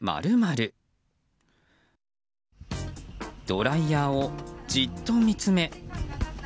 ドライヤーをじっと見つめ。